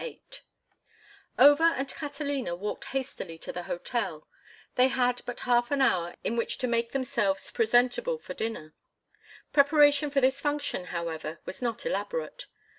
VIII Over and Catalina walked hastily to the hotel; they had but half an hour in which to make themselves presentable for dinner. Preparation for this function, however, was not elaborate.